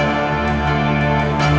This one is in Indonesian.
aku mau berhenti